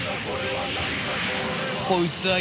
こいつぁ